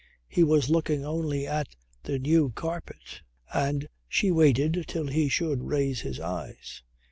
He was looking only at the new carpet and she waited till he should raise his eyes.